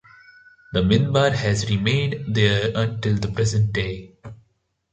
The minbar has remained there until the present day.